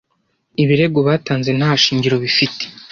Ibirego batanze nta shingiro bifite.